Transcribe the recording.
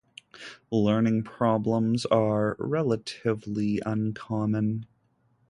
Learning problems are relatively uncommon.